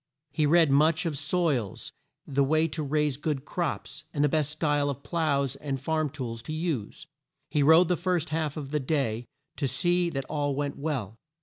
He read much of soils, the way to raise good crops, and the best style of ploughs and farm tools to use. He rode the first half of the day to see that all went well.